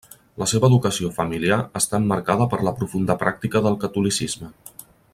La seva educació familiar està emmarcada per la profunda pràctica del catolicisme.